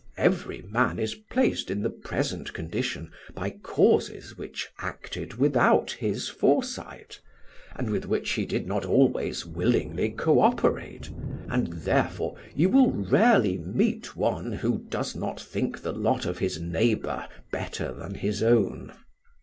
Every man is placed in the present condition by causes which acted without his foresight, and with which he did not always willingly co operate, and therefore you will rarely meet one who does not think the lot of his neighbour better than his own."